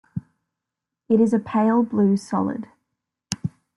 It is a pale blue solid.